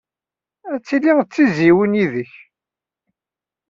Ad tili d tizzyiwin yid-k.